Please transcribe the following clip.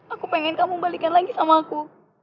aku pengen kamu balikin lagi sama aku